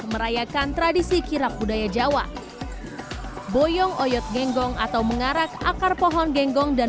merayakan tradisi kirap budaya jawa boyong oyot genggong atau mengarak akar pohon genggong dan